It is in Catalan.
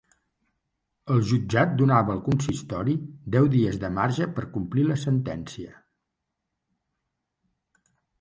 El jutjat donava al consistori deu dies de marge per a complir la sentència.